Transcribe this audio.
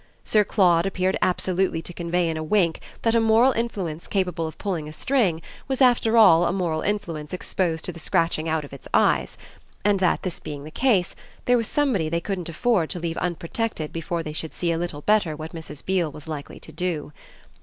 Sir Claude appeared absolutely to convey in a wink that a moral influence capable of pulling a string was after all a moral influence exposed to the scratching out of its eyes; and that, this being the case, there was somebody they couldn't afford to leave unprotected before they should see a little better what Mrs. Beale was likely to do.